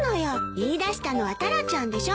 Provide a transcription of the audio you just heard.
言いだしたのはタラちゃんでしょ。